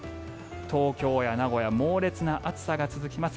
東京や名古屋、猛烈な暑さが続きます。